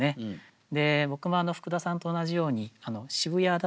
で僕も福田さんと同じように渋谷だと思いました。